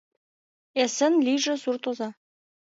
Эсен лийже суртоза!